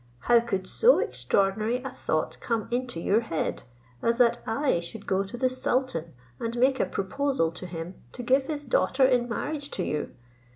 How could so extraordinary a thought come into your head, as that I should go to the sultan and make a proposal to him to give his daughter in marriage to you?